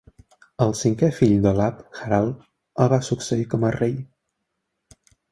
El cinquè fill d'Olav, Harald, el va succeir com a rei.